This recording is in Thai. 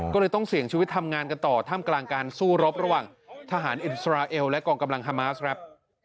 ก็เลยต้องเสี่ยงชีวิตทำงานกันต่อท่ามกลางการสู้รบระหว่างทหารอิสราเอลและกองกำลังฮามาสครับ